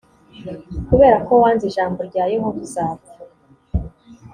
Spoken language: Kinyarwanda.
kubera ko wanze ijambo rya yehova uzapfa